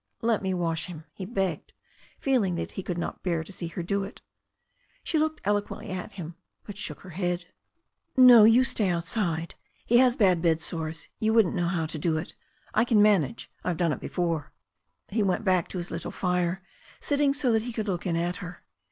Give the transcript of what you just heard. "Let me wash him/' he begged, feeling that he could not bear to see her do it. She looked eloquently at him, but shook her l\^^.d. 320 THE STORY OF A NEW ZEALAND RIVER "No, you stay outside. He has bad bedsores — ^you wouldn't know how to do it I can manage. I've done it before." He went back to his little fire, sitting so that he could look in at her.